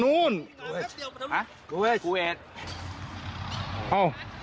โอ้โห